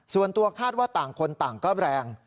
ส่วนตัวคาดว่าต่างคนต่างก็แรง